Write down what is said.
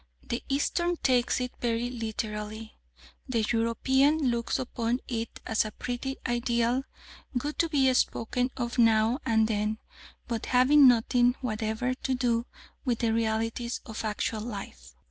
The Eastern takes it very literally. The European looks upon it as a pretty ideal, good to be spoken of now and then, but having nothing whatever to do with the realities of actual life.